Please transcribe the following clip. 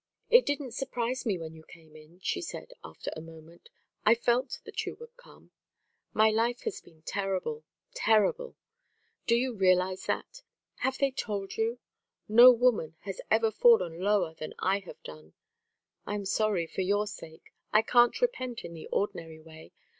"It didn't surprise me when you came in," she said, after a moment. "I felt that you would come My life has been terrible, terrible! Do you realise that! Have they told you? No woman has ever fallen lower than I have done. I am sorry, for your sake; I can't repent in the ordinary way.